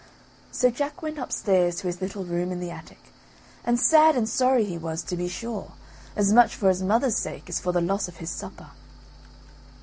So Jack went upstairs to his little room in the attic, and sad and sorry he was, to be sure, as much for his mother's sake, as for the loss of his supper.